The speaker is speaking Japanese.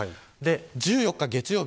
１４日、月曜日